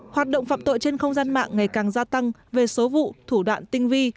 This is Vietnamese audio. hoạt động phạm tội trên không gian mạng ngày càng gia tăng về số vụ thủ đoạn tinh vi